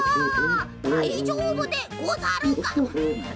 「だいじょうぶでござるか？」。